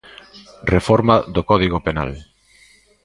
Reforma do Código Penal.